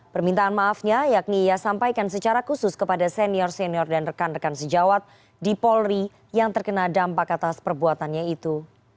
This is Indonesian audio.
permintaan maafnya yakni ia sampaikan secara khusus kepada senior senior dan rekan rekan sejawat di polri yang terkena dampak atas perbuatannya itu